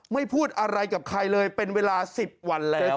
พูดอะไรกับใครเลยเป็นเวลา๑๐วันแล้ว